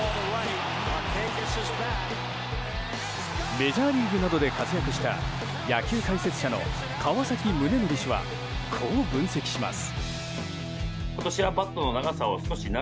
メジャーリーグなどで活躍した野球解説者の川崎宗則氏はこう分析します。